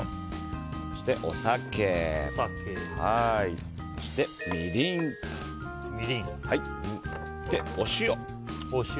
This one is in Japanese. そしてお酒、みりん、お塩。